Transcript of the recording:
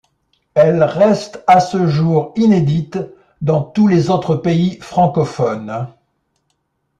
Elle reste à ce jour inédite dans tous les autres pays francophones.